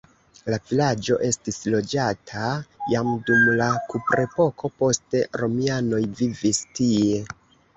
La vilaĝo estis loĝata jam dum la kuprepoko, poste romianoj vivis tie.